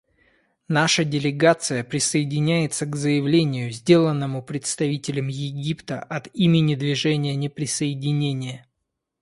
Наша делегация присоединяется к заявлению, сделанному представителем Египта от имени Движения неприсоединения.